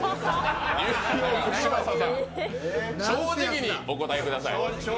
ニューヨーク・嶋佐さん、正直にお答えください。